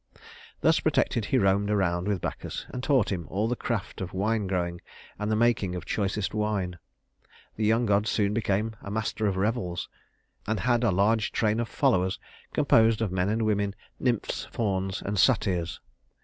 Thus protected, he roamed about with Bacchus, and taught him all the craft of wine growing and the making of choicest wine. The young god soon became a master of revels, and had a large train of followers composed of men and women, nymphs, fauns, and satyrs.